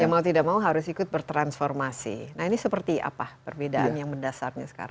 ya mau tidak mau harus ikut bertransformasi nah ini seperti apa perbedaan yang mendasarnya sekarang